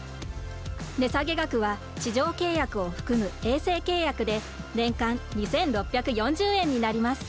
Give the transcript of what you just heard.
値下げ額は地上契約を含む衛星契約で年間２６４０円になります。